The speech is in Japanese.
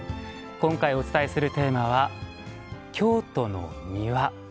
今回お伝えするテーマは「京都の庭」。